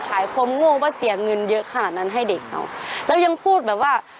ความโง่ว่าเสียเงินเยอะขนาดนั้นให้เด็กเอาแล้วยังพูดแบบว่า